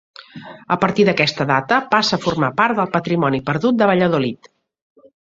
A partir d'aquesta data, passa a formar part del patrimoni perdut de Valladolid.